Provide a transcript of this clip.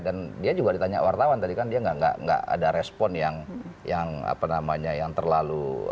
dan dia juga ditanya wartawan tadi kan dia nggak ada respon yang terlalu